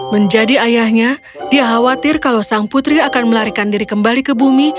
menjadi ayahnya dia khawatir kalau sang putri akan melarikan diri kembali ke bumi